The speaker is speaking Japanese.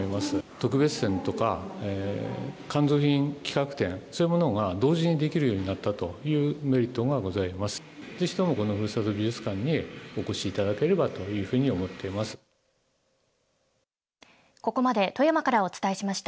特別展とか企画展、そういうものが同時にできるようになったというメリットがございます。